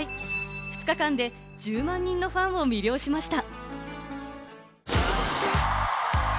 ２日間で１０万人のファンを魅了しました。